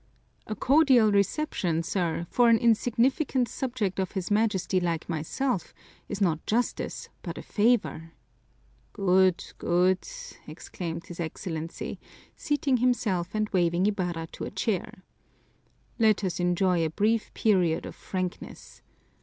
"A cordial reception, sir, for an insignificant subject of his Majesty like myself is not justice but a favor." "Good, good," exclaimed his Excellency, seating himself and waving Ibarra to a chair. "Let us enjoy a brief period of frankness.